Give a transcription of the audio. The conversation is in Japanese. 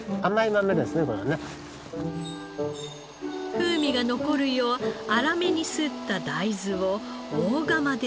風味が残るよう粗めにすった大豆を大釜で加熱。